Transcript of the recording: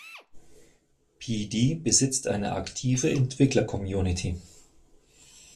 Pd besitzt eine aktive Entwickler-Community.